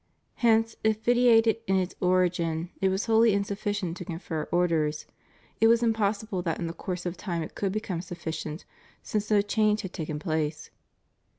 Hence, if vitiated in its origin it was wholly insufficient to confer Orders, it was im possible that in the course of time it could become suf ficient since no change had taken place.